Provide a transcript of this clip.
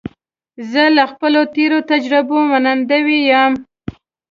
زه له خپلو تېرو تجربو منندوی یم.